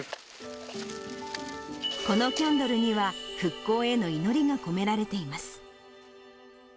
このキャンドルには、復興への祈りが込められています。